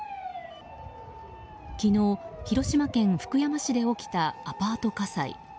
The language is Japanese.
昨日、広島県福山市で起きたアパート火災。